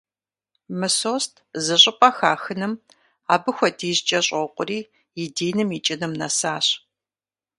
Мысост зыщӀыпӀэ хахыным абы хуэдизкӀэ щӀокъури, и диным икӀыным нэсащ.